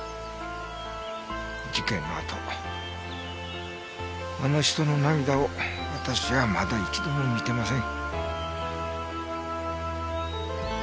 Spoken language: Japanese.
事件のあとあの人の涙を私はまだ一度も見てません。